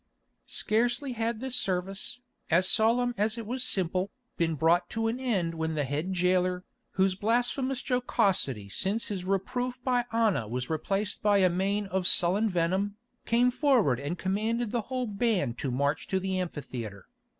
Scarcely had this service, as solemn as it was simple, been brought to an end when the head jailer, whose blasphemous jocosity since his reproof by Anna was replaced by a mien of sullen venom, came forward and commanded the whole band to march to the amphitheatre.